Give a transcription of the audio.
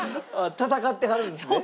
戦ってはるんですね。